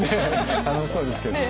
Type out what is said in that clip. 楽しそうですけれども。